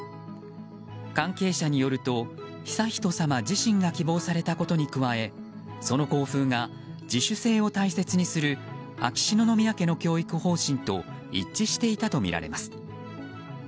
関係者によると悠仁さま自身が希望されたことに加えその校風が自主性を大切にする秋篠宮家の教育方針と一致していたとみられます。